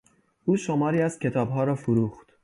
او شماری از کتابها را فروخت.